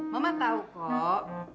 mama tahu kok